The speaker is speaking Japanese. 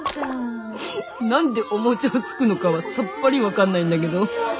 何でお餅をつくのかはさっぱり分かんないんだけど。